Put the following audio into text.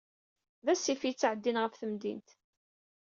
D asif yettɛeddin ɣef temdint.